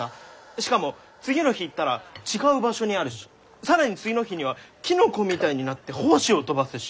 しかも次の日行ったら違う場所にあるし更に次の日にはキノコみたいになって胞子を飛ばすし。